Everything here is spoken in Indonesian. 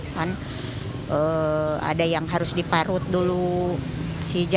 kan ada yang harus diparut dulu si hijau